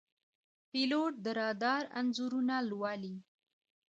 پیلوټ د رادار انځورونه لولي.